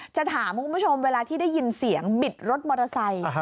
จะถามคุณผู้ชมเวลาที่ได้ยินเสียงบิดรถมอเตอร์ไซค์